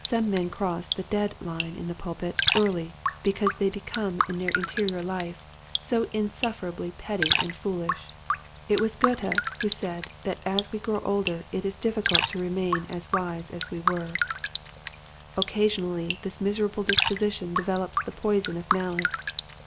Some men cross the dead line in the pulpit early because they become in their interior life 148 Quiet Hints to Growing Preachers. so insufferably petty and foolish. It was Goethe who said that as we grow older it is difficult to remain as wise as we were. Occasionally this miserable disposition develops the poison of malice.